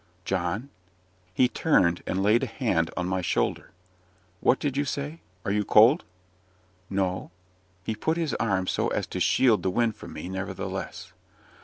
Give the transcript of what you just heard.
"John?" He turned, and laid a hand on my shoulder. "What did you say? Are you cold?" "No." He put his arm so as to shield the wind from me, nevertheless.